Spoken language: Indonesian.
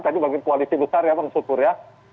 tadi bagi kualitas besar ya bang sopur ya